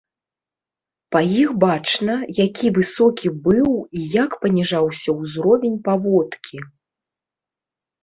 Па іх бачна, які высокі быў і як паніжаўся ўзровень паводкі.